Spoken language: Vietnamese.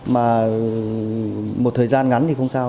mà một thời gian ngắn thì không sao